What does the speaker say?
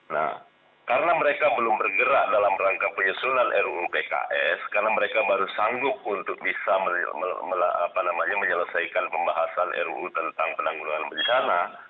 nah karena mereka belum bergerak dalam rangka penyusunan ruu pks karena mereka baru sanggup untuk bisa menyelesaikan pembahasan ruu tentang penanggulangan bencana